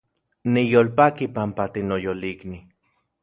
Niyolpaki panpa tinoyolikni